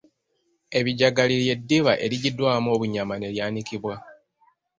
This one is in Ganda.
Ebijagali lye ddiba erijjiddwamu obunyama ne lyanikibwa.